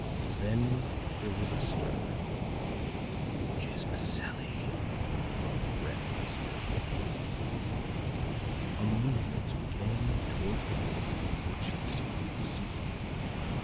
Then there was a stir. "It is Maselli," ran the whisper. A movement began toward the room from which the singing proceeded.